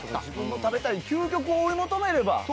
自分の食べたい究極を追い求めれば。